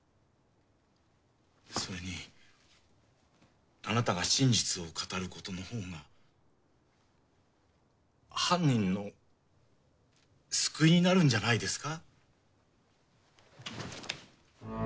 それにあなたが真実を語ることのほうが犯人の救いになるんじゃないですか。